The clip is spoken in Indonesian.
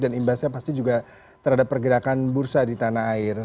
dan imbasnya pasti juga terhadap pergerakan bursa di tanah air